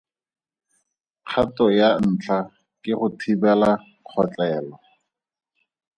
Kgato ya ntlha ke go thibela kgotlelo.